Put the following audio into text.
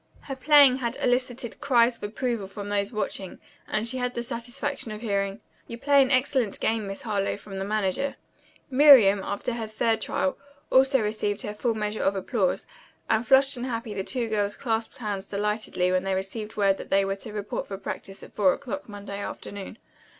Her playing had elicited cries of approval from those watching and she had the satisfaction of hearing, "You play an excellent game, Miss Harlowe," from the manager. Miriam, after her third trial, also received her full measure of applause, and flushed and happy the two girls clasped hands delightedly when they received word that they were to report for practice at four o'clock Monday afternoon.